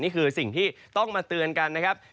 นี่คือสิ่งที่ต้องมาเตือนกันนะครับ